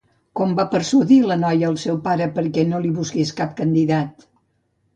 Com va persuadir la noia el seu pare perquè no li busqués cap candidat?